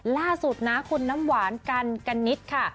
ล่าสุดนะคุณน้ำหวานกันกันนิดค่ะ